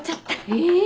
えっ？